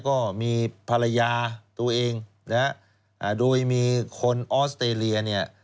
ก็มีภรรยาตัวเองนะฮะโดยมีคนออสเตรเลียเนี่ย